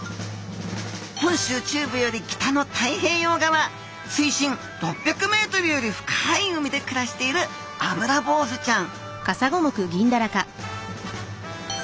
本州中部より北の太平洋側水深６００ｍより深い海で暮らしているアブラボウズちゃん。